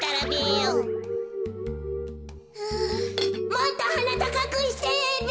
もっとはなたかくしてべ！